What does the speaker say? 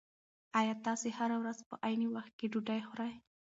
ایا تاسي هره ورځ په عین وخت کې ډوډۍ خورئ؟